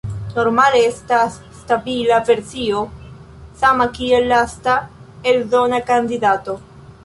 Normale estas stabila versio sama kiel lasta eldona kandidato.